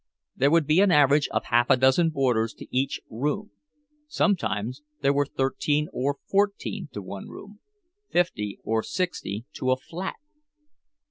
There would be an average of half a dozen boarders to each room—sometimes there were thirteen or fourteen to one room, fifty or sixty to a flat.